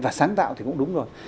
và sáng tạo thì cũng đúng rồi